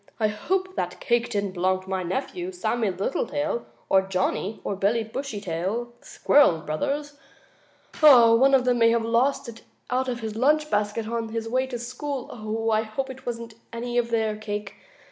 "I hope that cake didn't belong to my nephew, Sammie Littletail, or Johnnie or Billie Bushytail, the squirrel brothers. One of them may have lost it out of his lunch basket on his way to school. I hope it wasn't any of their cake.